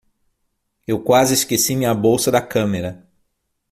Eu quase esqueci minha bolsa da câmera.